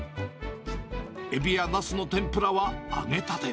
エビやナスの天ぷらは、揚げたて。